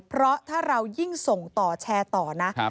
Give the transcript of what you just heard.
เพราะถ้าเรายิ่งส่งต่อแชร์ต่อนะ